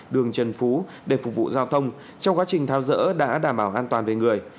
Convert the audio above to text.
đường chân phú để phục vụ giao thông trong quá trình tháo rỡ đã đảm bảo an toàn về người